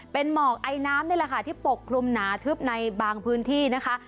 เป็นหมอกไอน้ำนี่แหละค่ะที่ปกคลุมหนาทึบในบางพื้นที่นะคะ